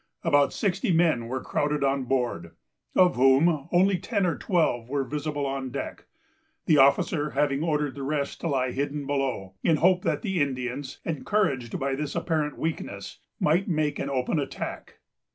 About sixty men were crowded on board, of whom only ten or twelve were visible on deck; the officer having ordered the rest to lie hidden below, in hope that the Indians, encouraged by this apparent weakness, might make an open attack.